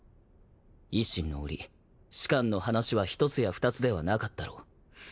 維新の折士官の話は一つや二つではなかったろう。